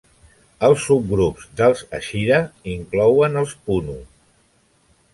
Els subgrups dels Eshira inclouen els Punu.